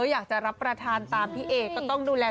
อยากรับประทานตามพี่เอ๋คุณผู้ชมต้องดูแล